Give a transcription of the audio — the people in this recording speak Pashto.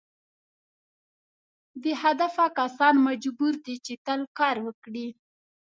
بې هدفه کسان مجبور دي چې تل کار وکړي.